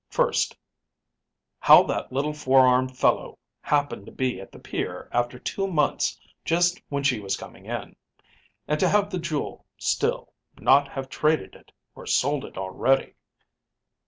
First, how that little four armed fellow happened to be at the pier after two months just when she was coming in. And to have the jewel still, not have traded it, or sold it already...."